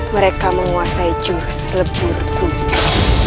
mereka menguasai jurus lebur kudus